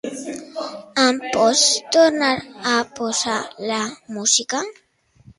Em pots tornar a posar la música?